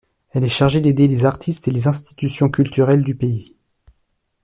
Elle est chargée d'aider les artistes et les institutions culturelles du pays.